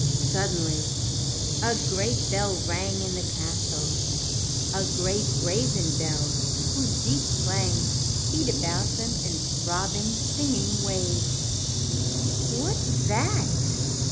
Suddenly, a great bell rang in the castle, a great brazen bell whose deep clang beat about them in throbbing, singing waves. "What's that?"